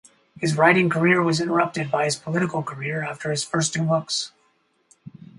His writing career was interrupted by his political career after his first two books.